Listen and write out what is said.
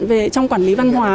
về trong quản lý văn hóa